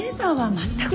全く。